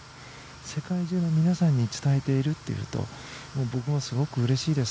世界中の皆さんに伝えているということ僕もすごくうれしいです。